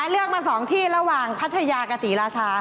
เลือกมา๒ที่ระหว่างพัทยากับศรีราชา